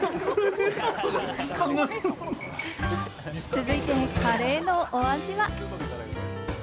続いて、カレーのお味は？